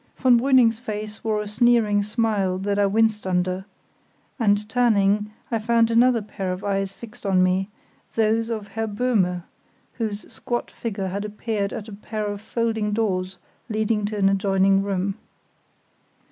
Von Brüning's face wore a sneering smile that I winced under; and, turning, I found another pair of eyes fixed on me, those of Herr Böhme, whose squat figure had appeared at a pair of folding doors leading to an adjoining room.